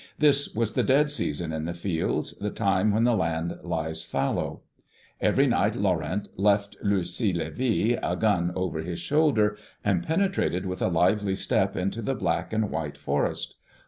This was the dead season in the fields, the time when the land lies fallow. Every night Laurent left Lurcy Lévy, a gun over his shoulder, and penetrated with a lively step into the black and white forest.